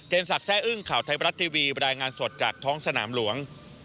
สักแซ่อึ้งข่าวไทยบรัฐทีวีบรรยายงานสดจากท้องสนามหลวง